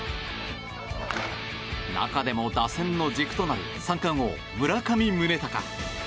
中でも打線の軸となる三冠王・村上宗隆。